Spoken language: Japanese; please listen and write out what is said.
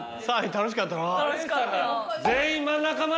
楽しかった。